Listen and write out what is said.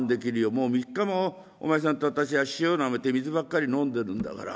もう３日もお前さんと私は塩なめて水ばっかり飲んでるんだから。